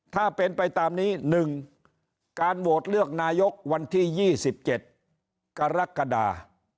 ถ้าเป็นไปตามนี้๑การโหวตเลือกนายกวันที่๒๗กรกฎา